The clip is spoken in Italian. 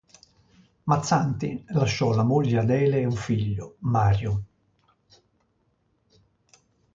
Mazzanti lasciò la moglie Adele e un figlio, Mario.